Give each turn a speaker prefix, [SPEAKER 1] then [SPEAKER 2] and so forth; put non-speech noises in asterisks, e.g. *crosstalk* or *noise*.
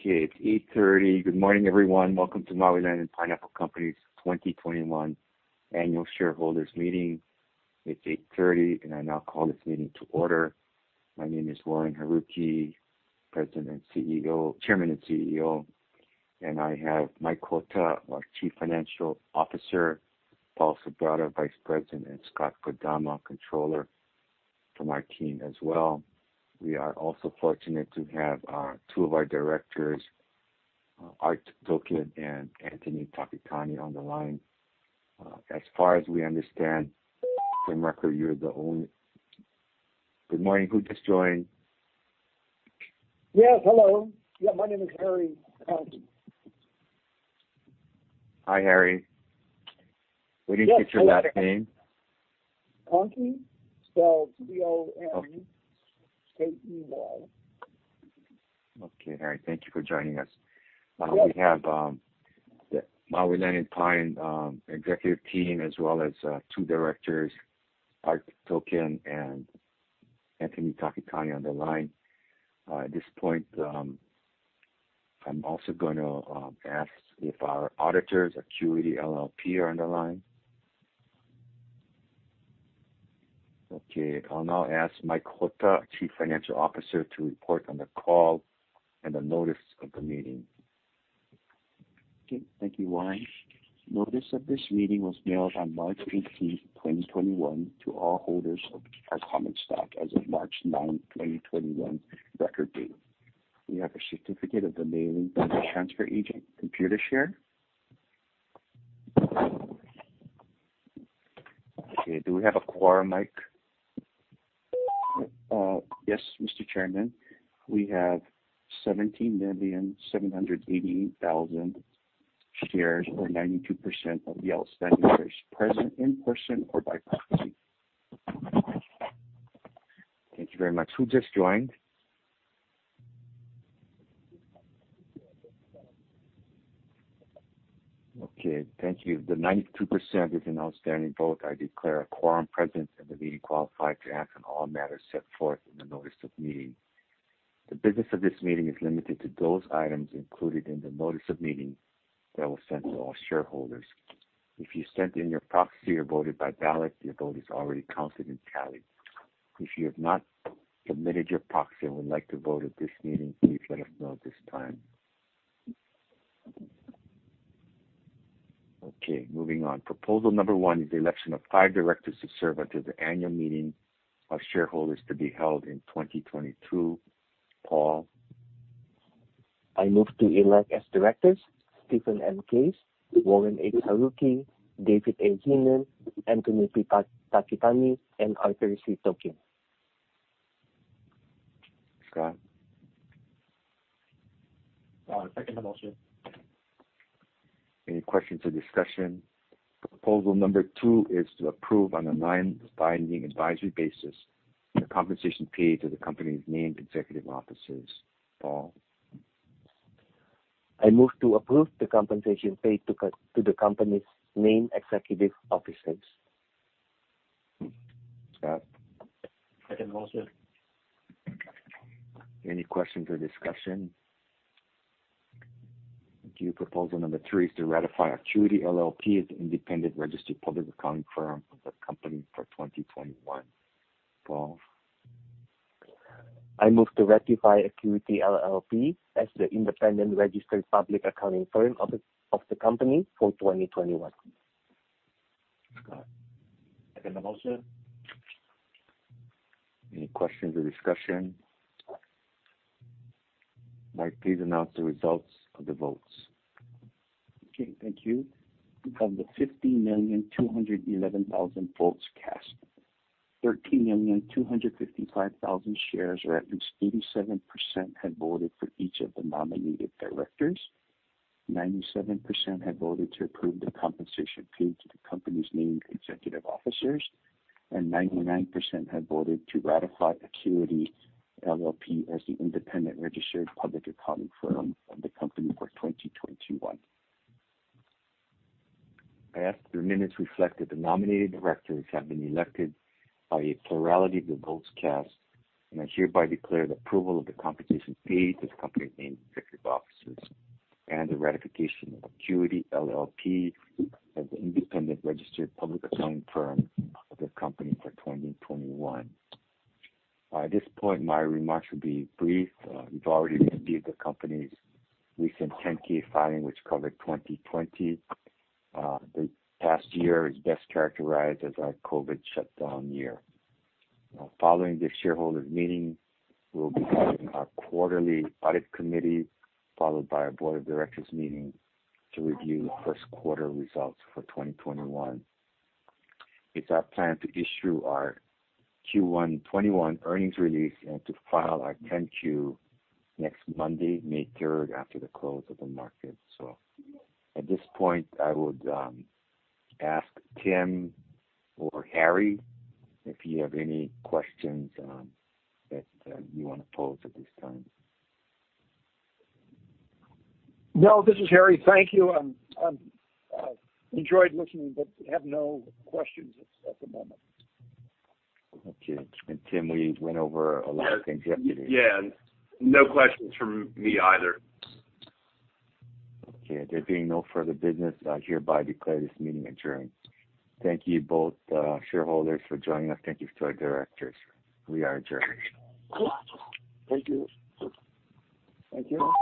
[SPEAKER 1] Okay, it's 8:30 A.M. Good morning, everyone. Welcome to Maui Land & Pineapple Company's 2021 annual shareholders' meeting. It's 8:30 A.M., I now call this meeting to order. My name is Warren Haruki, Chairman and CEO. I have Michael Hotta, our Chief Financial Officer, Paulus Subrata, Vice President, and Scott Kodama, Controller from our team as well. We are also fortunate to have two of our directors, Arthur Tokin and Anthony Takitani, on the line. As far as we understand from record, you're the only. Good morning. Who just joined?
[SPEAKER 2] Yes, hello. Yeah, my name is Harry Tokin.
[SPEAKER 1] Hi, Harry.
[SPEAKER 2] Yes
[SPEAKER 1] Repeat your last name?
[SPEAKER 2] *audio distortion*
[SPEAKER 1] Okay, Harry. Thank you for joining us.
[SPEAKER 2] Yes.
[SPEAKER 1] We have the Maui Land & Pine executive team as well as two directors, Art Tokin and Anthony Takitani, on the line. At this point, I'm also going to ask if our auditors, Accuity LLP, are on the line. I'll now ask Michael Hotta, Chief Financial Officer, to report on the call and the notice of the meeting.
[SPEAKER 3] Okay. Thank you, Warren. Notice of this meeting was mailed on March 18th 2021 to all holders of our common stock as of March 9th 2021 record date. We have a certificate of the mailing from the transfer agent, Computershare.
[SPEAKER 1] Okay, do we have a quorum, Mike?
[SPEAKER 3] Yes, Mr. Chairman. We have 17,788,000 shares, or 92% of the outstanding shares present in person or by proxy.
[SPEAKER 1] Thank you very much. Who just joined? Okay, thank you. The 92% is an outstanding vote. I declare a quorum present and the meeting qualified to act on all matters set forth in the notice of meeting. The business of this meeting is limited to those items included in the notice of meeting that was sent to all shareholders. If you sent in your proxy or voted by ballot, your vote is already counted and tallied. If you have not submitted your proxy and would like to vote at this meeting, please let us know at this time. Okay, moving on. Proposal number one is the election of five directors to serve until the annual meeting of shareholders to be held in 2022. Paul?
[SPEAKER 4] I move to elect as directors, Steve M. Case, Warren H. Haruki, David A. Heenan, Anthony P. Takitani, and Arthur C. Tokin.
[SPEAKER 1] Scott?
[SPEAKER 5] I second the motion.
[SPEAKER 1] Any questions or discussion? Proposal number two is to approve on a non-binding advisory basis the compensation paid to the company's named executive officers. Paul?
[SPEAKER 4] I move to approve the compensation paid to the company's named executive officers.
[SPEAKER 1] Scott?
[SPEAKER 5] Second the motion.
[SPEAKER 1] Any questions or discussion? Thank you. Proposal number three is to ratify Accuity LLP as the independent registered public accounting firm of the company for 2021. Paul?
[SPEAKER 4] I move to ratify Accuity LLP as the independent registered public accounting firm of the company for 2021.
[SPEAKER 1] Scott?
[SPEAKER 5] Second the motion.
[SPEAKER 1] Any questions or discussion? Mike, please announce the results of the votes.
[SPEAKER 3] Okay, thank you. Of the 15,211,000 votes cast, 13,255,000 shares, or at least 87%, had voted for each of the nominated directors, 97% had voted to approve the compensation paid to the company's named executive officers, and 99% had voted to ratify Accuity LLP as the independent registered public accounting firm of the company for 2021.
[SPEAKER 1] I ask that the minutes reflect that the nominated directors have been elected by a plurality of the votes cast, and I hereby declare the approval of the compensation paid to the company's named executive officers and the ratification of Accuity LLP as the independent registered public accounting firm of the company for 2021. At this point, my remarks will be brief. You've already received the company's recent 10-K filing, which covered 2020. The past year is best characterized as our COVID shutdown year. Now, following this shareholders meeting, we'll be having our quarterly audit committee, followed by our board of directors meeting to review first quarter results for 2021. It's our plan to issue our Q1 '21 earnings release and to file our 10-Q next Monday, May 3rd, after the close of the market. At this point, I would ask Tim or Harry if you have any questions that you want to pose at this time.
[SPEAKER 2] No, this is Harry. Thank you. I enjoyed listening but have no questions at the moment.
[SPEAKER 1] Okay. Tim, we went over a lot of things yesterday.
[SPEAKER 6] Yeah. No questions from me either.
[SPEAKER 1] Okay. There being no further business, I hereby declare this meeting adjourned. Thank you both shareholders for joining us. Thank you to our directors. We are adjourned.
[SPEAKER 2] Thank you.
[SPEAKER 1] Thank you.